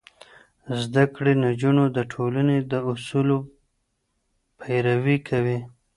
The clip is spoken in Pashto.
زده کړې نجونې د ټولنې د اصولو پيروي کوي.